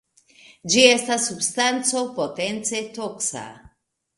Ĝi estas substanco potence toksa.